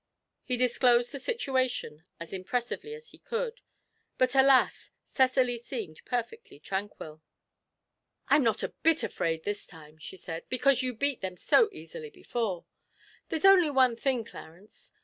He disclosed the situation as impressively as he could; but, alas! Cecily seemed perfectly tranquil. 'I'm not a bit afraid this time,' she said, 'because you beat them so easily before; there's only one thing, Clarence.